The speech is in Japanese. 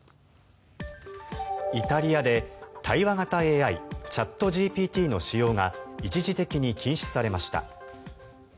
イタリアで対話型ＡＩチャットＧＰＴの使用が一時的に禁止されました。